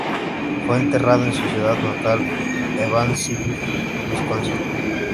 Fue enterrado en su ciudad natal, Evansville, Wisconsin.